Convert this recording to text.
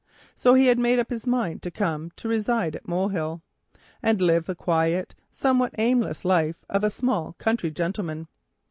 So he had made up his mind to come to reside at Molehill, and live the quiet, somewhat aimless, life of a small country gentleman.